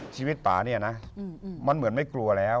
ชีวิตป่าเนี่ยนะมันเหมือนไม่กลัวแล้ว